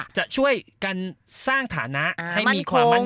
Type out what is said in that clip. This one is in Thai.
จะช่วยกันสร้างฐานะให้มีความมั่นคง